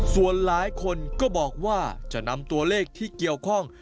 ส่วนหลายคนก็บอกว่าจะนำตัวเลขที่เกี่ยวข้อง